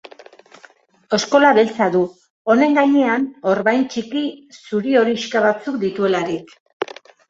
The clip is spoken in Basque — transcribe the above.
Oskola beltza du, honen gainean orbain txiki zuri-horixka batzuk dituelarik.